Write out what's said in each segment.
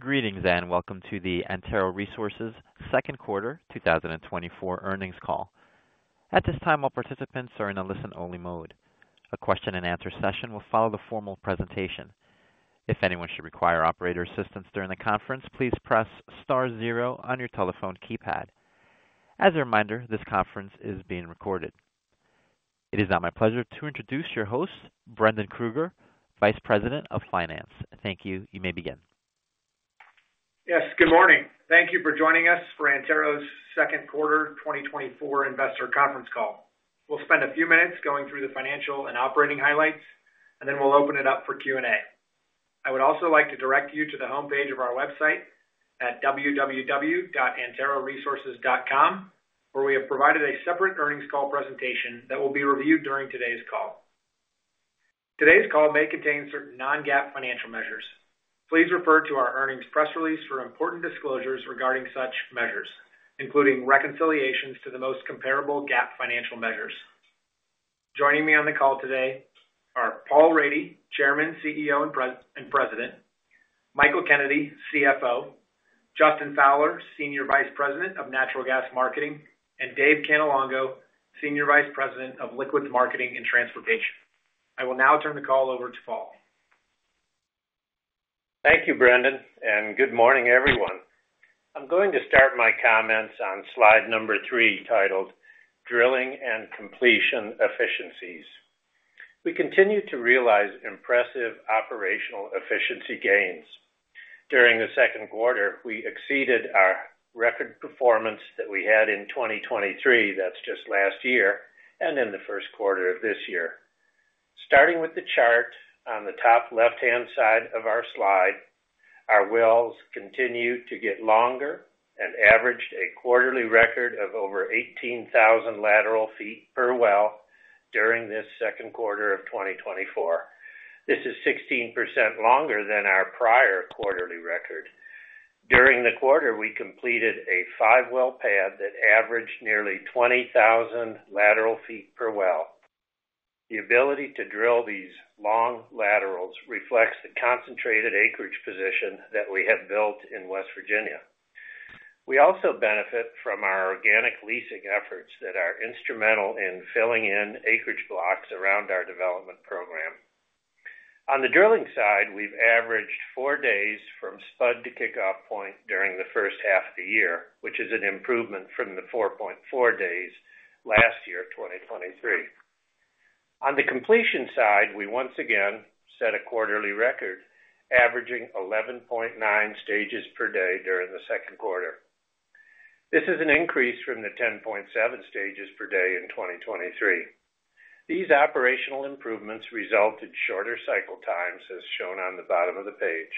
Greetings and welcome to the Antero Resources Second Quarter 2024 earnings call. At this time, all participants are in a listen-only mode. A question-and-answer session will follow the formal presentation. If anyone should require operator assistance during the conference, please press star zero on your telephone keypad. As a reminder, this conference is being recorded. It is now my pleasure to introduce your host, Brendan Krueger, Vice President of Finance. Thank you. You may begin. Yes, good morning. Thank you for joining us for Antero's Second Quarter 2024 Investor Conference Call. We'll spend a few minutes going through the financial and operating highlights, and then we'll open it up for Q&A. I would also like to direct you to the homepage of our website at www.anteroresources.com, where we have provided a separate earnings call presentation that will be reviewed during today's call. Today's call may contain certain non-GAAP financial measures. Please refer to our earnings press release for important disclosures regarding such measures, including reconciliations to the most comparable GAAP financial measures. Joining me on the call today are Paul Rady, Chairman, CEO, and President; Michael Kennedy, CFO; Justin Fowler, Senior Vice President of Natural Gas Marketing; and Dave Cannelongo, Senior Vice President of Liquids Marketing and Transportation. I will now turn the call over to Paul. Thank you, Brendan, and good morning, everyone. I'm going to start my comments on slide number three, titled Drilling and Completion Efficiencies. We continue to realize impressive operational efficiency gains. During the second quarter, we exceeded our record performance that we had in 2023 (that's just last year) and in the first quarter of this year. Starting with the chart on the top left-hand side of our slide, our wells continued to get longer and averaged a quarterly record of over 18,000 lateral feet per well during this second quarter of 2024. This is 16% longer than our prior quarterly record. During the quarter, we completed a five well pad that averaged nearly 20,000 lateral feet per well. The ability to drill these long laterals reflects the concentrated acreage position that we have built in West Virginia. We also benefit from our organic leasing efforts that are instrumental in filling in acreage blocks around our development program. On the drilling side, we've averaged four days from spud to kickoff point during the first half of the year, which is an improvement from the 4.4 days last year, 2023. On the completion side, we once again set a quarterly record, averaging 11.9 stages per day during the second quarter. This is an increase from the 10.7 stages per day in 2023. These operational improvements result in shorter cycle times, as shown on the bottom of the page.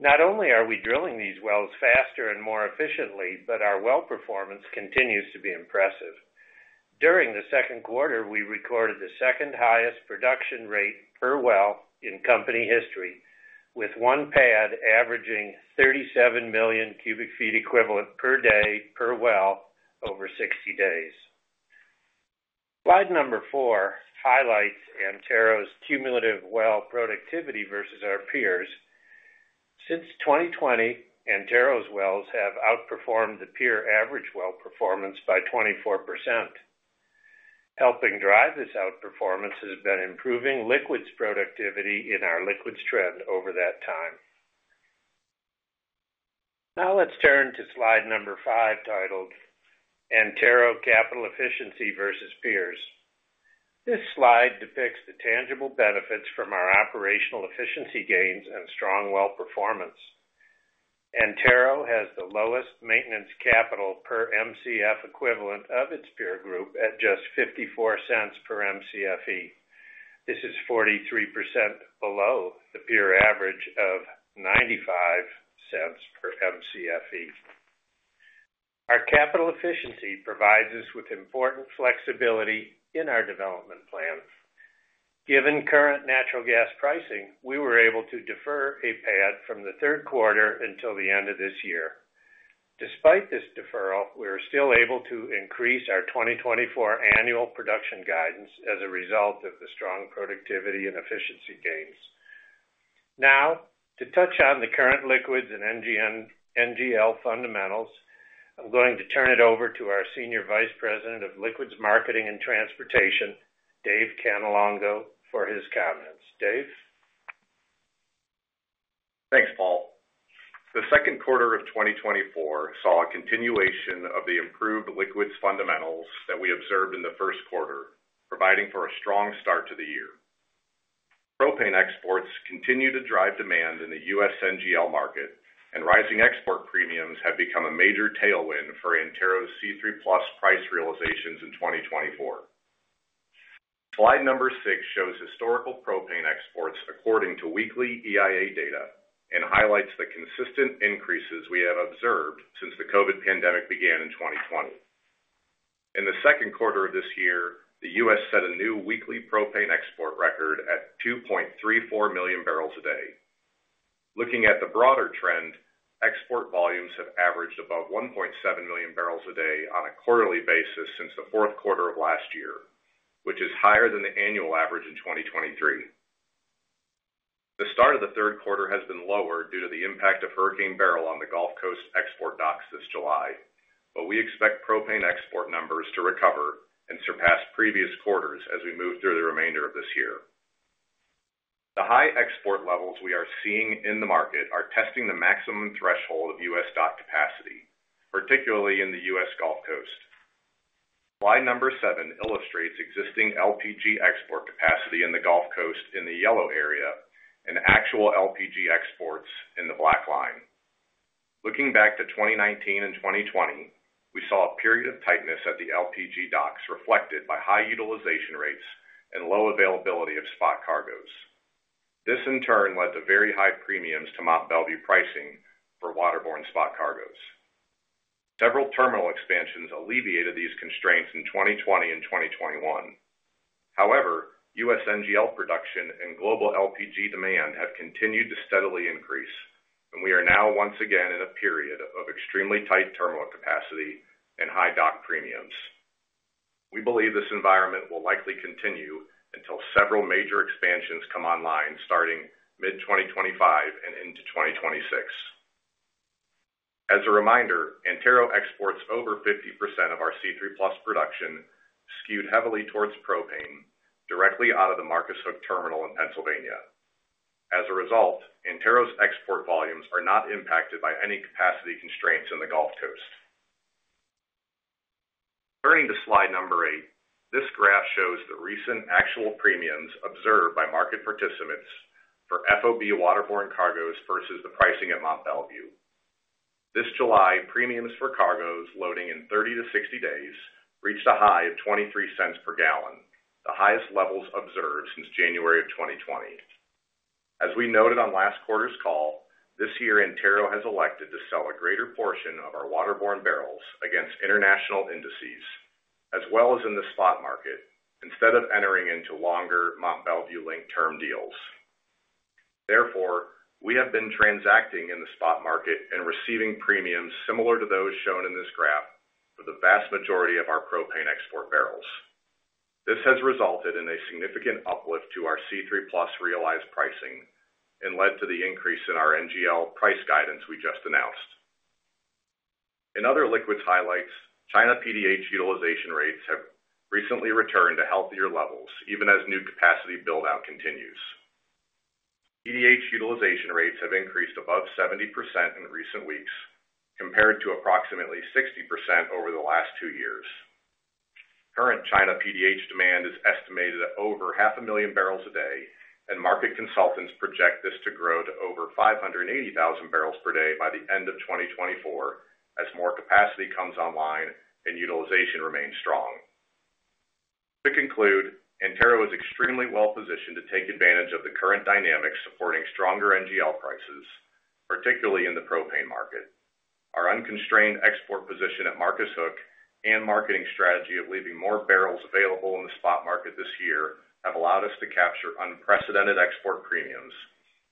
Not only are we drilling these wells faster and more efficiently, but our well performance continues to be impressive. During the second quarter, we recorded the second highest production rate per well in company history, with 1 pad averaging 37 million cu ft equivalent per day per well over 60 days. Slide four highlights Antero's cumulative well productivity versus our peers. Since 2020, Antero's wells have outperformed the peer average well performance by 24%. Helping drive this outperformance has been improving liquids productivity in our liquids trend over that time. Now let's turn to slide five, titled Antero Capital Efficiency versus Peers. This slide depicts the tangible benefits from our operational efficiency gains and strong well performance. Antero has the lowest maintenance capital per MCF equivalent of its peer group at just $0.54 per MCFE. This is 43% below the peer average of $0.95 per MCFE. Our capital efficiency provides us with important flexibility in our development plan. Given current natural gas pricing, we were able to defer a pad from the third quarter until the end of this year. Despite this deferral, we were still able to increase our 2024 annual production guidance as a result of the strong productivity and efficiency gains. Now, to touch on the current liquids and NGL fundamentals, I'm going to turn it over to our Senior Vice President of Liquids Marketing and Transportation, Dave Cannelongo, for his comments. Dave. Thanks, Paul. The second quarter of 2024 saw a continuation of the improved liquids fundamentals that we observed in the first quarter, providing for a strong start to the year. Propane exports continue to drive demand in the U.S. NGL market, and rising export premiums have become a major tailwind for Antero's C3+ price realizations in 2024. Slide number six shows historical propane exports according to weekly EIA data and highlights the consistent increases we have observed since the COVID pandemic began in 2020. In the second quarter of this year, the U.S. set a new weekly propane export record at 2.34 million bbl a day. Looking at the broader trend, export volumes have averaged above 1.7 million bbl a day on a quarterly basis since the fourth quarter of last year, which is higher than the annual average in 2023. The start of the third quarter has been lower due to the impact of Hurricane Beryl on the Gulf Coast export docks this July, but we expect propane export numbers to recover and surpass previous quarters as we move through the remainder of this year. The high export levels we are seeing in the market are testing the maximum threshold of U.S. dock capacity, particularly in the U.S. Gulf Coast. Slide number seven illustrates existing LPG export capacity in the Gulf Coast in the yellow area and actual LPG exports in the black line. Looking back to 2019 and 2020, we saw a period of tightness at the LPG docks reflected by high utilization rates and low availability of spot cargoes. This, in turn, led to very high premiums to Mont Belvieu pricing for waterborne spot cargoes. Several terminal expansions alleviated these constraints in 2020 and 2021. However, U.S. NGL production and global LPG demand have continued to steadily increase, and we are now once again in a period of extremely tight terminal capacity and high dock premiums. We believe this environment will likely continue until several major expansions come online starting mid-2025 and into 2026. As a reminder, Antero exports over 50% of our C3+ production, skewed heavily towards propane, directly out of the Marcus Hook terminal in Pennsylvania. As a result, Antero's export volumes are not impacted by any capacity constraints in the Gulf Coast. Turning to slide 8, this graph shows the recent actual premiums observed by market participants for FOB waterborne cargoes versus the pricing at Mont Belvieu. This July, premiums for cargoes loading in 30-60 days reached a high of $0.23 per gal, the highest levels observed since January of 2020. As we noted on last quarter's call, this year Antero has elected to sell a greater portion of our waterborne bbl against international indices, as well as in the spot market, instead of entering into longer Mont Belvieu-linked term deals. Therefore, we have been transacting in the spot market and receiving premiums similar to those shown in this graph for the vast majority of our propane export barrels. This has resulted in a significant uplift to our C3+ realized pricing and led to the increase in our NGL price guidance we just announced. In other liquids highlights, China PDH utilization rates have recently returned to healthier levels, even as new capacity buildout continues. PDH utilization rates have increased above 70% in recent weeks, compared to approximately 60% over the last two years. Current China PDH demand is estimated at over 500,000 bbl a day, and market consultants project this to grow to over 580,000 bbl per day by the end of 2024 as more capacity comes online and utilization remains strong. To conclude, Antero is extremely well positioned to take advantage of the current dynamics supporting stronger NGL prices, particularly in the propane market. Our unconstrained export position at Marcus Hook and marketing strategy of leaving more bbl available in the spot market this year have allowed us to capture unprecedented export premiums,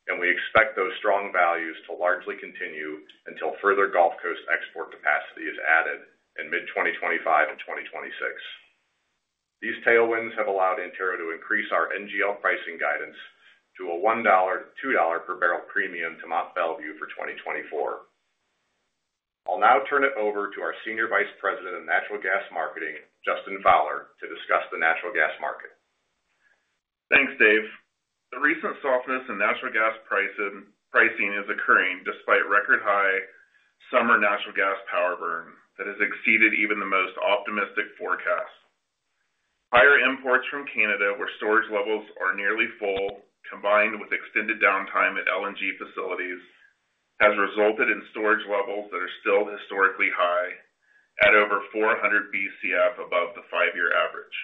and we expect those strong values to largely continue until further Gulf Coast export capacity is added in mid-2025 and 2026. These tailwinds have allowed Antero to increase our NGL pricing guidance to a $1-$2 per barrel premium to Mont Belvieu for 2024. I'll now turn it over to our Senior Vice President of Natural Gas Marketing, Justin Fowler, to discuss the natural gas market. Thanks, Dave. The recent softness in natural gas pricing is occurring despite record-high summer natural gas power burn that has exceeded even the most optimistic forecast. Higher imports from Canada, where storage levels are nearly full, combined with extended downtime at LNG facilities, has resulted in storage levels that are still historically high, at over 400 BCF above the five-year average.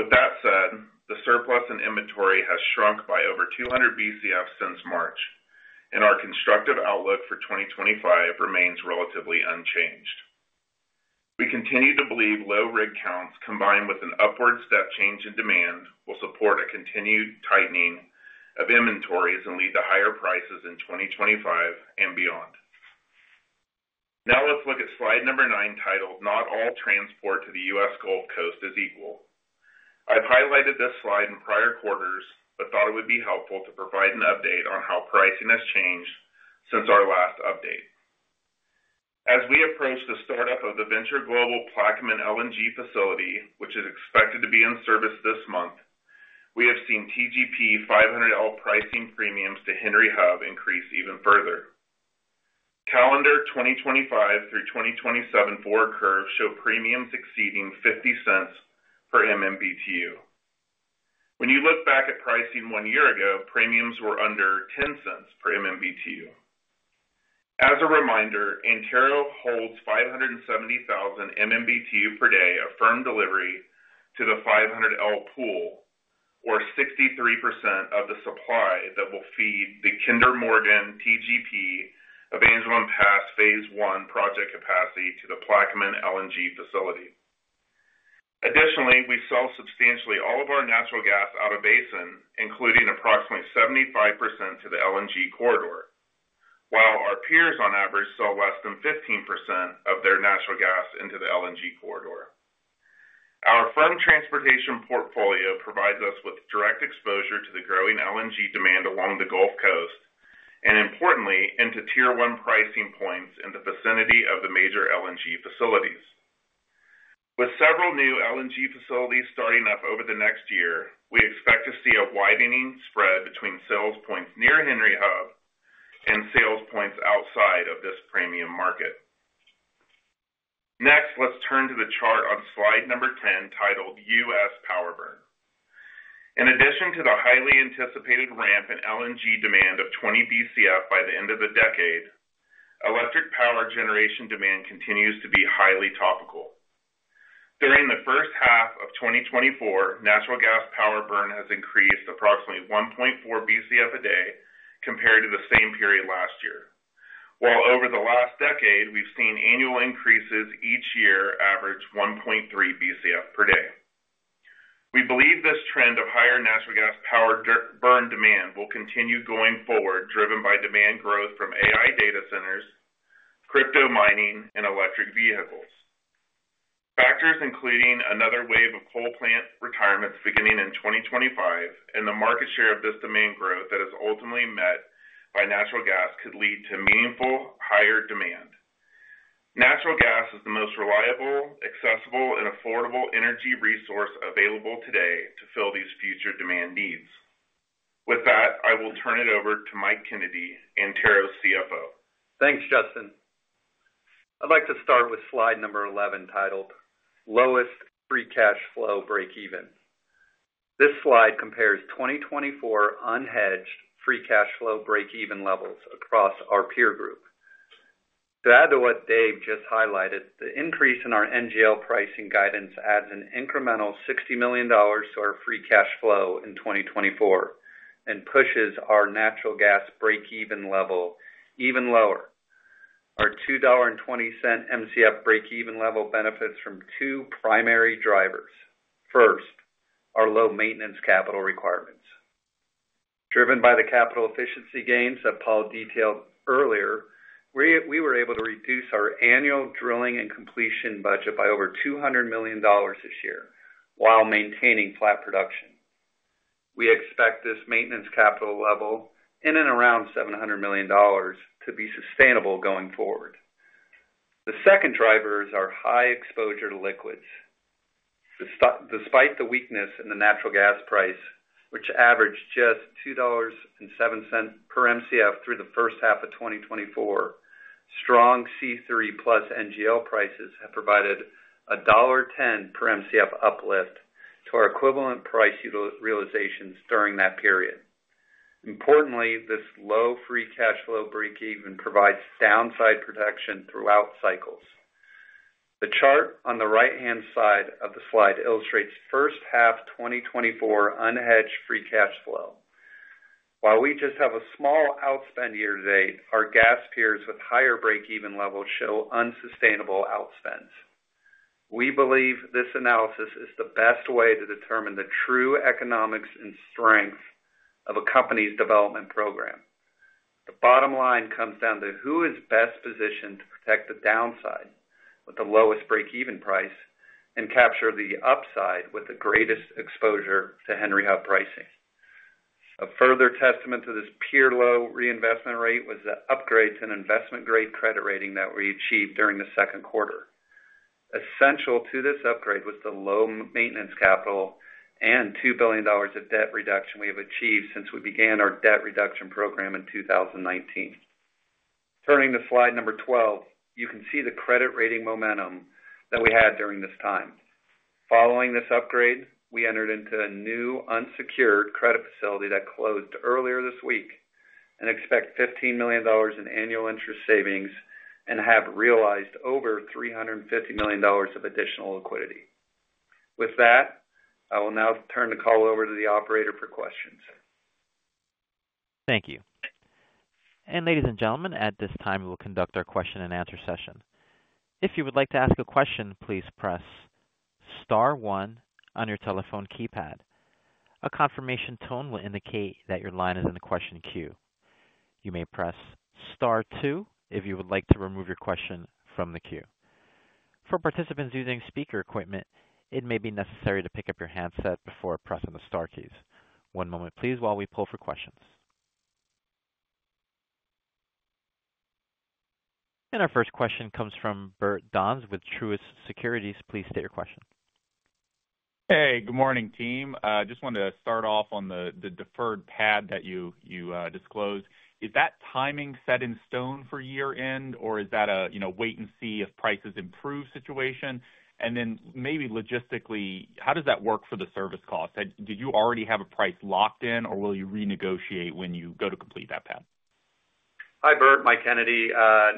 With that said, the surplus in inventory has shrunk by over 200 BCF since March, and our constructive outlook for 2025 remains relatively unchanged. We continue to believe low rig counts combined with an upward step change in demand will support a continued tightening of inventories and lead to higher prices in 2025 and beyond. Now let's look at slide number nine, titled Not All Transport to the U.S. Gulf Coast is Equal. I've highlighted this slide in prior quarters, but thought it would be helpful to provide an update on how pricing has changed since our last update. As we approach the startup of the Venture Global Plaquemines LNG facility, which is expected to be in service this month, we have seen TGP 500L pricing premiums to Henry Hub increase even further. Calendar 2025 through 2027 forward curve show premiums exceeding $0.50/MMBtu. When you look back at pricing one year ago, premiums were under $0.10/MMBtu. As a reminder, Antero holds 570,000 MMBtu per day of firm delivery to the 500L pool, or 63% of the supply that will feed the Kinder Morgan TGP Evangeline Pass Phase One project capacity to the Plaquemines LNG facility. Additionally, we sell substantially all of our natural gas out of basin, including approximately 75% to the LNG corridor, while our peers on average sell less than 15% of their natural gas into the LNG corridor. Our firm transportation portfolio provides us with direct exposure to the growing LNG demand along the Gulf Coast, and importantly, into tier one pricing points in the vicinity of the major LNG facilities. With several new LNG facilities starting up over the next year, we expect to see a widening spread between sales points near Henry Hub and sales points outside of this premium market. Next, let's turn to the chart on slide number 10, titled U.S. Power Burn. In addition to the highly anticipated ramp in LNG demand of 20 BCF by the end of the decade, electric power generation demand continues to be highly topical. During the first half of 2024, natural gas power burn has increased approximately 1.4 BCF a day compared to the same period last year, while over the last decade, we've seen annual increases each year average 1.3 BCF per day. We believe this trend of higher natural gas power burn demand will continue going forward, driven by demand growth from AI data centers, crypto mining, and electric vehicles. Factors including another wave of coal plant retirements beginning in 2025 and the market share of this demand growth that is ultimately met by natural gas could lead to meaningful higher demand. Natural gas is the most reliable, accessible, and affordable energy resource available today to fill these future demand needs. With that, I will turn it over to Mike Kennedy, Antero's CFO. Thanks, Justin. I'd like to start with slide number 11, titled Lowest Free Cash Flow Breakeven. This slide compares 2024 unhedged free cash flow breakeven levels across our peer group. To add to what Dave just highlighted, the increase in our NGL pricing guidance adds an incremental $60 million to our free cash flow in 2024 and pushes our natural gas breakeven level even lower. Our $2.20 MCF breakeven level benefits from two primary drivers. First, our low maintenance capital requirements. Driven by the capital efficiency gains that Paul detailed earlier, we were able to reduce our annual drilling and completion budget by over $200 million this year while maintaining flat production. We expect this maintenance capital level in and around $700 million to be sustainable going forward. The second driver is our high exposure to liquids. Despite the weakness in the natural gas price, which averaged just $2.07 per MCF through the first half of 2024, strong C3+ NGL prices have provided a $1.10 per MCF uplift to our equivalent price realizations during that period. Importantly, this low free cash flow breakeven provides downside protection throughout cycles. The chart on the right-hand side of the slide illustrates first half 2024 unhedged free cash flow. While we just have a small outspend year to date, our gas peers with higher breakeven levels show unsustainable outspends. We believe this analysis is the best way to determine the true economics and strength of a company's development program. The bottom line comes down to who is best positioned to protect the downside with the lowest breakeven price and capture the upside with the greatest exposure to Henry Hub pricing. A further testament to this peer low reinvestment rate was the upgrade to an investment-grade credit rating that we achieved during the second quarter. Essential to this upgrade was the low maintenance capital and $2 billion of debt reduction we have achieved since we began our debt reduction program in 2019. Turning to slide number 12, you can see the credit rating momentum that we had during this time. Following this upgrade, we entered into a new unsecured credit facility that closed earlier this week and expect $15 million in annual interest savings and have realized over $350 million of additional liquidity. With that, I will now turn the call over to the operator for questions. Thank you. Ladies and gentlemen, at this time, we will conduct our question and answer session. If you would like to ask a question, please press Star 1 on your telephone keypad. A confirmation tone will indicate that your line is in the question queue. You may press Star 2 if you would like to remove your question from the queue. For participants using speaker equipment, it may be necessary to pick up your handset before pressing the Star keys. One moment, please, while we pull for questions. Our first question comes from Bert Donnes with Truist Securities. Please state your question. Hey, good morning, team. I just wanted to start off on the deferred pad that you disclosed. Is that timing set in stone for year-end, or is that a wait-and-see if prices improve situation? And then maybe logistically, how does that work for the service cost? Did you already have a price locked in, or will you renegotiate when you go to complete that pad? Hi, Bert. Mike Kennedy.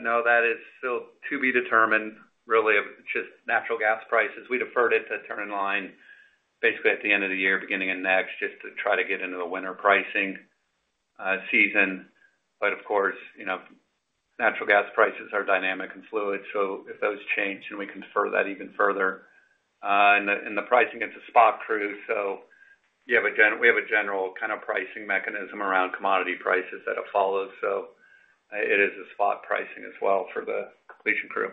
No, that is still to be determined, really, of just natural gas prices. We deferred it to turn in line basically at the end of the year, beginning and next, just to try to get into the winter pricing season. But of course, natural gas prices are dynamic and fluid, so if those change, then we can defer that even further. And the pricing is a spot crew, so we have a general kind of pricing mechanism around commodity prices that it follows. So it is a spot pricing as well for the completion crew.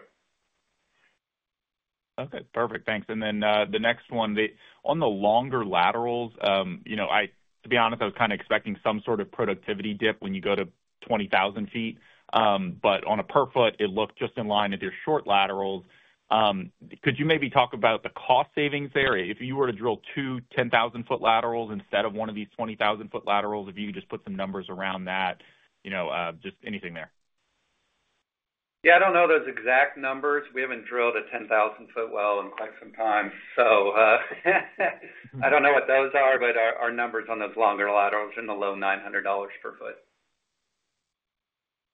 Okay. Perfect. Thanks. And then the next one, on the longer laterals, to be honest, I was kind of expecting some sort of productivity dip when you go to 20,000 ft. But on a per foot, it looked just in line with your short laterals. Could you maybe talk about the cost savings there? If you were to drill two 10,000-ft laterals instead of one of these 20,000-ft laterals, if you could just put some numbers around that, just anything there. Yeah, I don't know those exact numbers. We haven't drilled a 10,000-ft well in quite some time. So I don't know what those are, but our numbers on those longer laterals are in the low $900 per ft.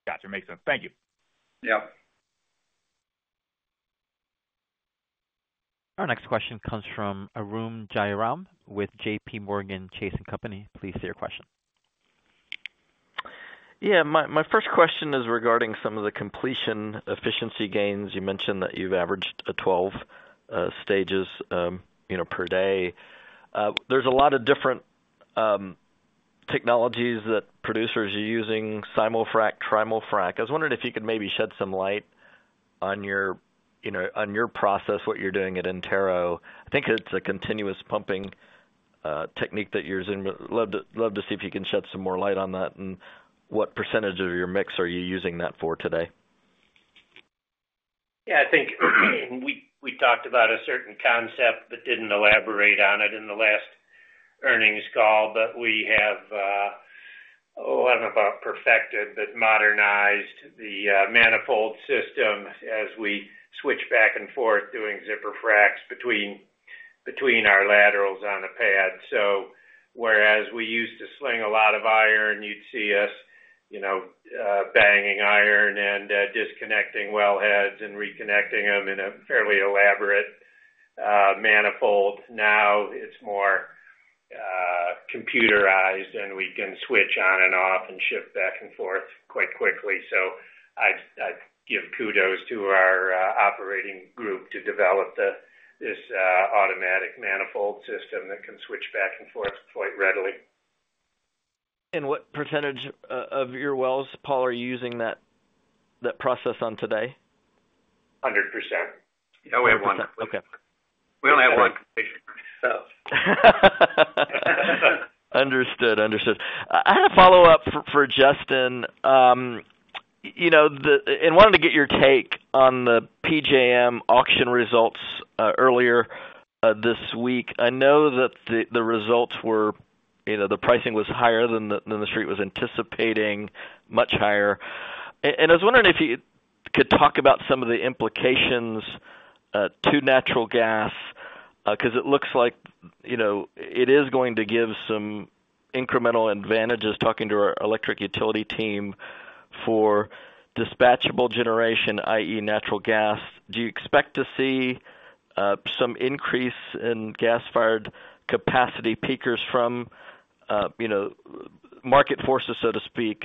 Gotcha. Makes sense. Thank you. Yep. Our next question comes from Arun Jayaram with JP Morgan Chase & Company. Please state your question. Yeah. My first question is regarding some of the completion efficiency gains. You mentioned that you've averaged 12 stages per day. There's a lot of different technologies that producers are using: SimulFrac, TrimulFrac. I was wondering if you could maybe shed some light on your process, what you're doing at Antero. I think it's a continuous pumping technique that you're using. Love to see if you can shed some more light on that and what percentage of your mix are you using that for today? Yeah. I think we talked about a certain concept but didn't elaborate on it in the last earnings call. But we have, oh, I don't know about perfected, but modernized the manifold system as we switch back and forth doing zipper Fracs between our laterals on a pad. So whereas we used to sling a lot of iron, you'd see us banging iron and disconnecting wellheads and reconnecting them in a fairly elaborate manifold. Now it's more computerized, and we can switch on and off and shift back and forth quite quickly. So I give kudos to our operating group to develop this automatic manifold system that can switch back and forth quite readily. What percentage of your wells, Paul, are you using that process on today? 100%. Okay. Percent. We only have one completion. Understood. Understood. I had a follow-up for Justin and wanted to get your take on the PJM auction results earlier this week. I know that the results were the pricing was higher than the street was anticipating, much higher. I was wondering if you could talk about some of the implications to natural gas because it looks like it is going to give some incremental advantages talking to our electric utility team for dispatchable generation, i.e., natural gas. Do you expect to see some increase in gas-fired capacity peakers from market forces, so to speak?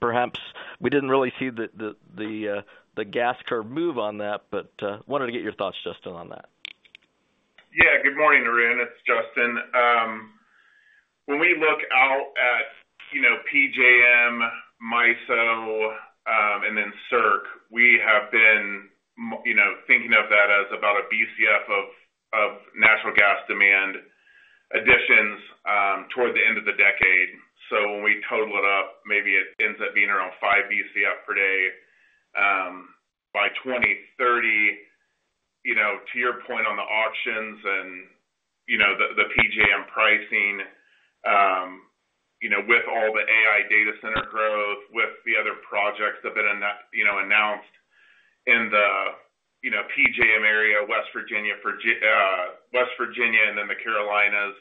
Perhaps we didn't really see the gas curve move on that, but wanted to get your thoughts, Justin, on that. Yeah. Good morning, Arun. It's Justin. When we look out at PJM, MISO, and then SERC, we have been thinking of that as about a BCF of natural gas demand additions toward the end of the decade. So when we total it up, maybe it ends up being around five BCF per day. By 2030, to your point on the auctions and the PJM pricing, with all the AI data center growth, with the other projects that have been announced in the PJM area, West Virginia, and then the Carolinas,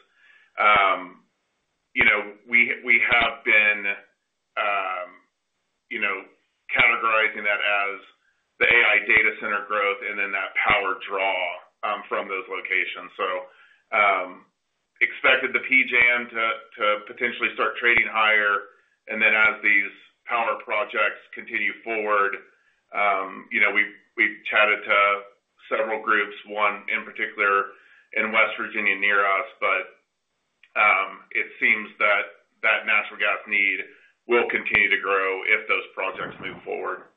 we have been categorizing that as the AI data center growth and then that power draw from those locations. So expected the PJM to potentially start trading higher. And then as these power projects continue forward, we've chatted to several groups, one in particular in West Virginia near us, but it seems that that natural gas need will continue to grow if those projects move forward.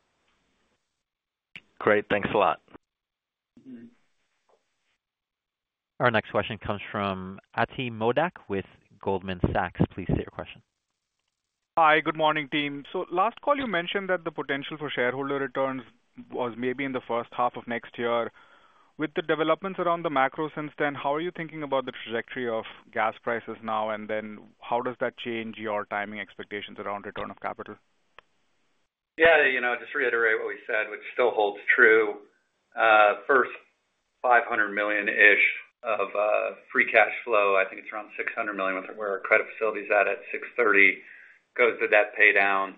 Great. Thanks a lot. Our next question comes from Ati Modak with Goldman Sachs. Please state your question. Hi. Good morning, team. Last call, you mentioned that the potential for shareholder returns was maybe in the first half of next year. With the developments around the macro since then, how are you thinking about the trajectory of gas prices now? And then how does that change your timing expectations around return of capital? Yeah. Just reiterate what we said, which still holds true. First, $500 million-ish of free cash flow. I think it's around $600 million with where our credit facility's at $630 million goes to debt pay down.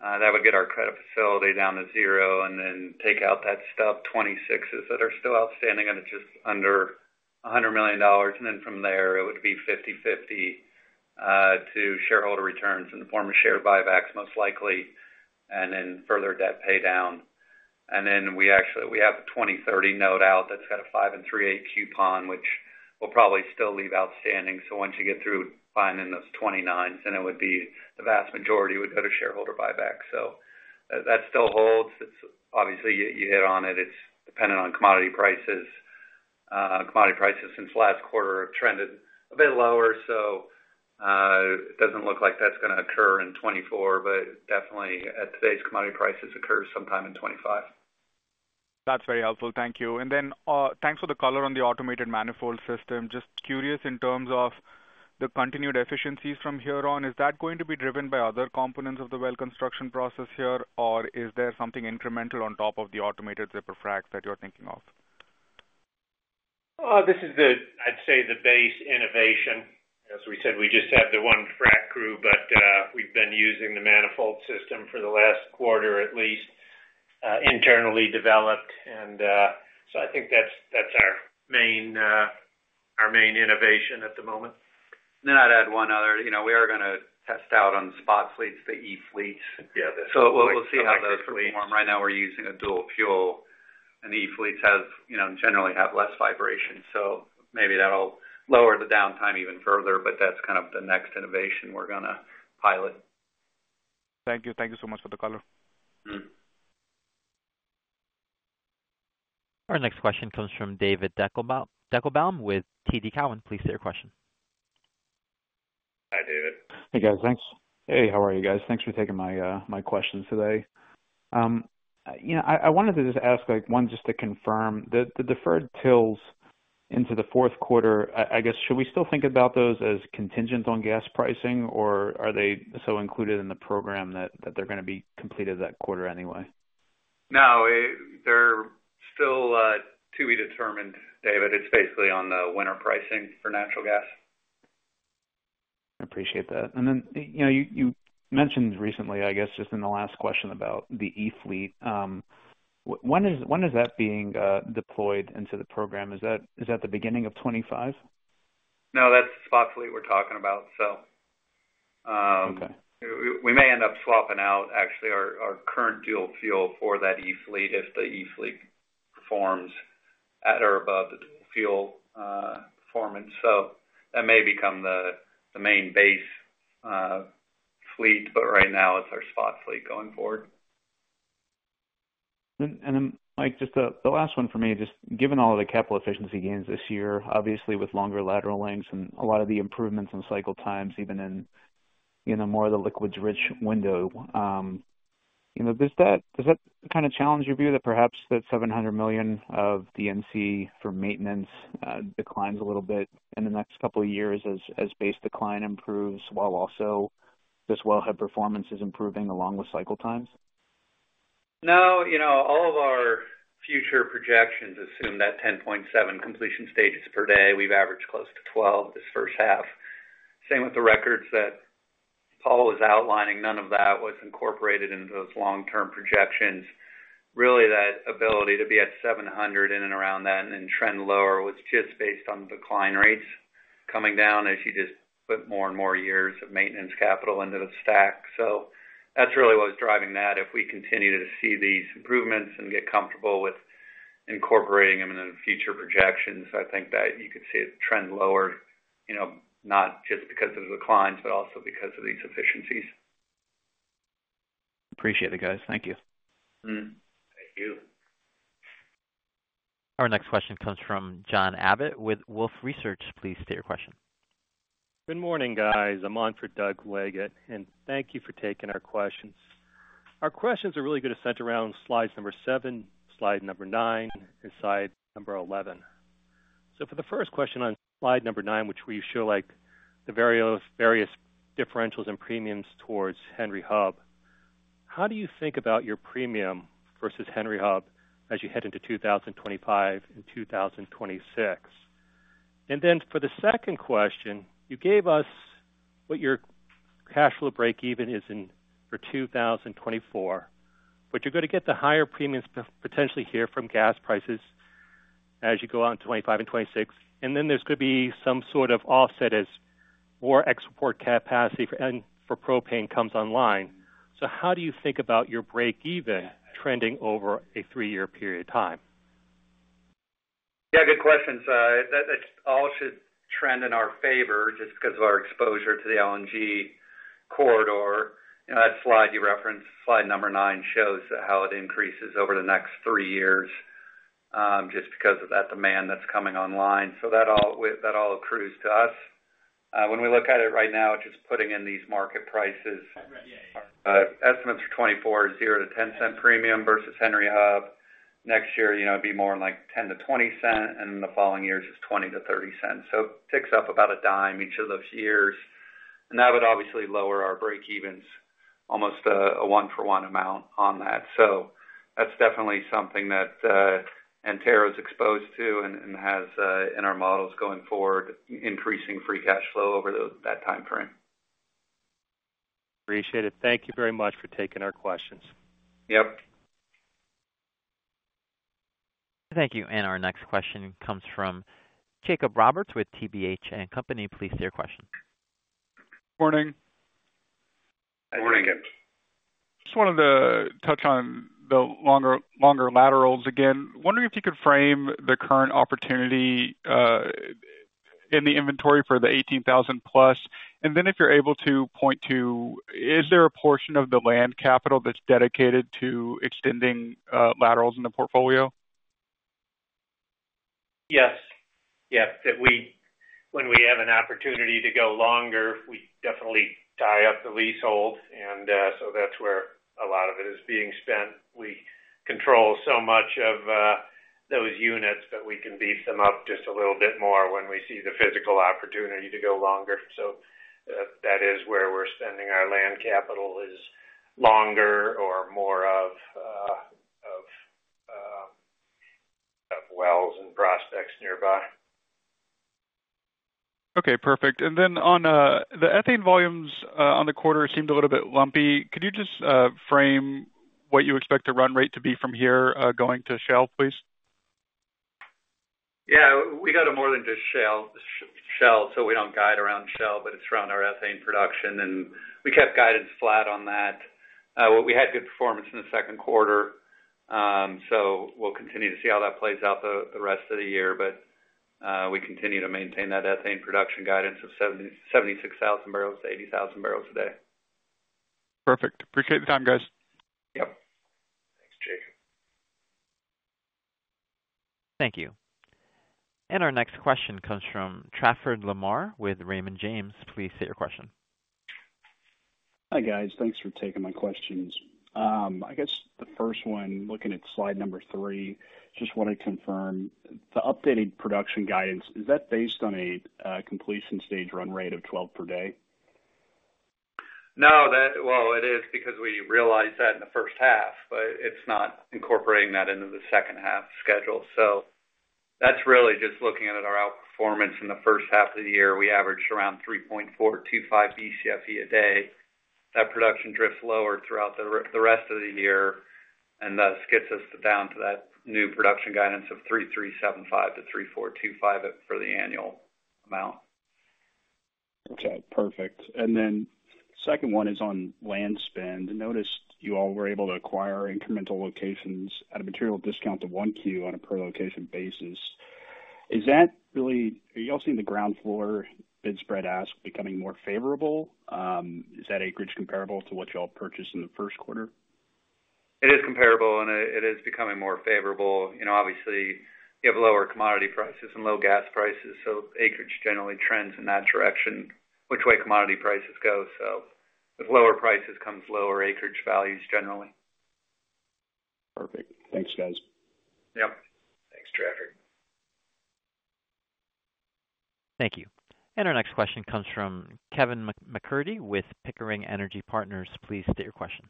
That would get our credit facility down to zero and then take out that stub 2026s that are still outstanding, and it's just under $100 million. And then from there, it would be 50/50 to shareholder returns in the form of share buybacks most likely and then further debt pay down. And then we have a 2030 note out that's got a 5.38% coupon, which will probably still leave outstanding. So once you get through funding those 2029s, then it would be the vast majority would go to shareholder buybacks. So that still holds. Obviously, you hit on it. It's dependent on commodity prices. Commodity prices since last quarter have trended a bit lower, so it doesn't look like that's going to occur in 2024, but definitely at today's commodity prices occur sometime in 2025. That's very helpful. Thank you. And then thanks for the color on the automated manifold system. Just curious in terms of the continued efficiencies from here on, is that going to be driven by other components of the well construction process here, or is there something incremental on top of the automated zipper Frac that you're thinking of? This is, I'd say, the base innovation. As we said, we just have the one Frac crew, but we've been using the manifold system for the last quarter at least, internally developed. And so I think that's our main innovation at the moment. And then I'd add one other. We are going to test out on spot fleets, the E fleets. So we'll see how those perform. Right now, we're using a dual fuel, and E fleets generally have less vibration. So maybe that'll lower the downtime even further, but that's kind of the next innovation we're going to pilot. Thank you. Thank you so much for the color. Our next question comes from David Deckelbaum with TD Cowen. Please state your question. Hi, David. Hey, guys. Thanks. Hey, how are you guys? Thanks for taking my questions today. I wanted to just ask one, just to confirm, the deferred wells into the fourth quarter, I guess, should we still think about those as contingent on gas pricing, or are they so included in the program that they're going to be completed that quarter anyway? No. They're still to be determined, David. It's basically on the winter pricing for natural gas. I appreciate that. And then you mentioned recently, I guess, just in the last question about the E fleet. When is that being deployed into the program? Is that the beginning of 2025? No, that's the spot fleet we're talking about, so. We may end up swapping out, actually, our current dual fuel for that E fleet if the E fleet performs at or above the dual fuel performance. So that may become the main base fleet, but right now, it's our spot fleet going forward. Then, Mike, just the last one for me. Just given all the capital efficiency gains this year, obviously, with longer lateral lengths and a lot of the improvements in cycle times, even in a more of the liquids-rich window, does that kind of challenge your view that perhaps that $700 million of the CapEx for maintenance declines a little bit in the next couple of years as base decline improves while also this wellhead performance is improving along with cycle times? No. All of our future projections assume that 10.7 completion stages per day. We've averaged close to 12 this first half. Same with the records that Paul was outlining. None of that was incorporated into those long-term projections. Really, that ability to be at 700 in and around that and then trend lower was just based on the decline rates coming down as you just put more and more years of maintenance capital into the stack. So that's really what was driving that. If we continue to see these improvements and get comfortable with incorporating them into future projections, I think that you could see the trend lower, not just because of the declines, but also because of these efficiencies. Appreciate it, guys. Thank you. Thank you. Our next question comes from John Abbott with Wolfe Research. Please state your question. Good morning, guys. I'm on for Doug Leggate, and thank you for taking our questions. Our questions are really good to center around slide number 7, slide number 9, and slide number 11. So for the first question on slide number nine, which we show the various differentials and premiums towards Henry Hub, how do you think about your premium versus Henry Hub as you head into 2025 and 2026? And then for the second question, you gave us what your cash flow break-even is for 2024, but you're going to get the higher premiums potentially here from gas prices as you go on to 2025 and 2026. And then there's going to be some sort of offset as more export capacity and for propane comes online. So how do you think about your break-even trending over a three-year period of time? Yeah. Good question. So it all should trend in our favor just because of our exposure to the LNG corridor. That slide you referenced, slide number 9, shows how it increases over the next three years just because of that demand that's coming online. So that all accrues to us. When we look at it right now, just putting in these market prices, estimates for 2024 is $0-$0.10 premium versus Henry Hub. Next year, it'd be more like $0.10-$0.20, and then the following year is just $0.20-$0.30. So it picks up about a dime each of those years. And that would obviously lower our break-evens almost a one-for-one amount on that. So that's definitely something that Antero is exposed to and has in our models going forward, increasing free cash flow over that time frame. Appreciate it. Thank you very much for taking our questions. Yep. Thank you. And our next question comes from Jacob Roberts with TPH & Company. Please state your question. Morning. Good morning, Jacob. Just wanted to touch on the longer laterals again. Wondering if you could frame the current opportunity in the inventory for the 18,000+? And then if you're able to point to, is there a portion of the land capital that's dedicated to extending laterals in the portfolio? Yes. Yeah. When we have an opportunity to go longer, we definitely tie up the leasehold. And so that's where a lot of it is being spent. We control so much of those units that we can beef them up just a little bit more when we see the physical opportunity to go longer. So that is where we're spending our land capital: longer or more of wells and prospects nearby. Okay. Perfect. And then on the ethane volumes on the quarter seemed a little bit lumpy. Could you just frame what you expect the run rate to be from here going to Shell, please? Yeah. We've got more than just Shell. So we don't guide around Shell, but it's around our ethane production. And we kept guidance flat on that. We had good performance in the second quarter. So we'll continue to see how that plays out the rest of the year. But we continue to maintain that ethane production guidance of 76,000-80,000 bbl a day. Perfect. Appreciate the time, guys. Yep. Thanks, Jacob. Thank you. Our next question comes from Trafford Lamar with Raymond James. Please state your question. Hi, guys. Thanks for taking my questions. I guess the first one, looking at slide number three, just wanted to confirm the updated production guidance. Is that based on a completion stage run rate of 12 per day? No. Well, it is because we realized that in the first half, but it's not incorporating that into the second half schedule. So that's really just looking at our outperformance in the first half of the year. We averaged around 3.425 BCFE a day. That production drifts lower throughout the rest of the year and thus gets us down to that new production guidance of 3,375-3,425 for the annual amount. Okay. Perfect. And then the second one is on land spend. Noticed you all were able to acquire incremental locations at a material discount to 1Q on a per location basis. Is that really are you all seeing the ground floor bid-ask spread becoming more favorable? Is that acreage comparable to what you all purchased in the first quarter? It is comparable, and it is becoming more favorable. Obviously, you have lower commodity prices and low gas prices. So acreage generally trends in that direction, which way commodity prices go. So with lower prices comes lower acreage values generally. Perfect. Thanks, guys. Yep. Thanks, Trafford. Thank you. And our next question comes from Kevin MacCurdy with Pickering Energy Partners. Please state your question.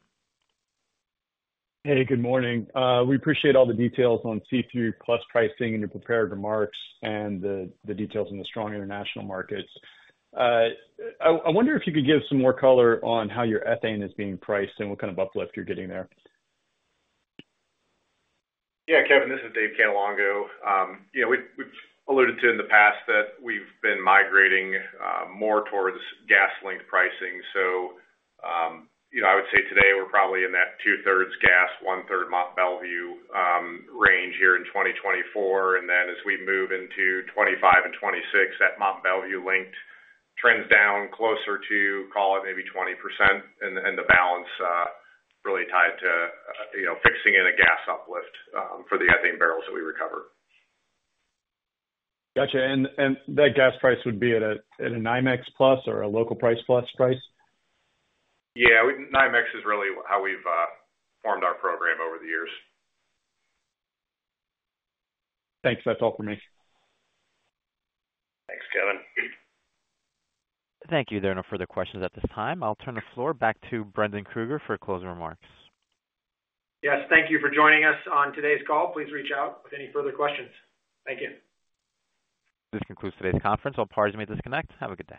Hey, good morning. We appreciate all the details on C3+ pricing and your prepared remarks and the details in the strong international markets. I wonder if you could give some more color on how your ethane is being priced and what kind of uplift you're getting there. Yeah, Kevin, this is Dave Cannelongo. We've alluded to in the past that we've been migrating more towards gas-linked pricing. So I would say today we're probably in that 2/3 gas, 1/3 Mont Belvieu range here in 2024. And then as we move into 2025 and 2026, that Mont Belvieu-linked trends down closer to, call it maybe 20%. And the balance really tied to fixing in a gas uplift for the ethane bbl that we recover. Gotcha. And that gas price would be at a NYMEX plus or a local price plus price? Yeah. NYMEX is really how we've formed our program over the years. Thanks. That's all for me. Thanks, Kevin. Thank you. There are no further questions at this time. I'll turn the floor back to Brendan Krueger for closing remarks. Yes. Thank you for joining us on today's call. Please reach out with any further questions. Thank you. This concludes today's conference. I'll pardon me to disconnect. Have a good day.